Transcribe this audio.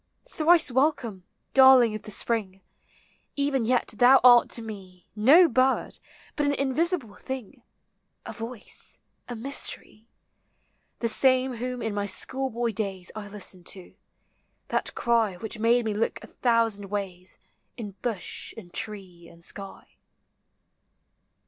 Thrice welcome, darling of the spring! Even yet thou art to me No bird, but an invisible thing, A voice, a mystery ; The same whom in my schoolboy days I listened to; that cry .Which made me look a thousand W&JB, In bush and tree and sky.